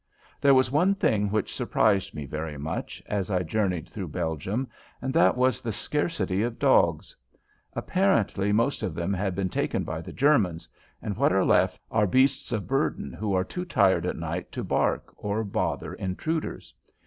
There was one thing which surprised me very much as I journeyed through Belgium, and that was the scarcity of dogs. Apparently most of them have been taken by the Germans, and what are left are beasts of burden who are too tired at night to bark or bother intruders.